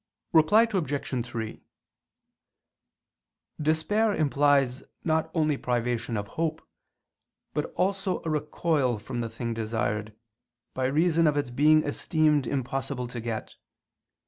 Reply Obj. 3: Despair implies not only privation of hope, but also a recoil from the thing desired, by reason of its being esteemed impossible to get.